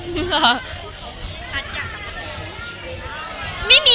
มันคิดว่าจะเป็นรายการหรือไม่มี